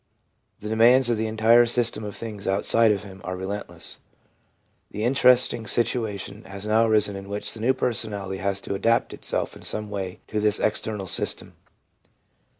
The demands of the entire system of things outside of him are relentless. The interesting situation has now arisen in which the new personality has to adapt itself in some way to this external system.